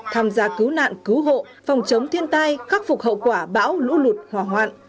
tham gia cứu nạn cứu hộ phòng chống thiên tai khắc phục hậu quả bão lũ lụt hòa hoạn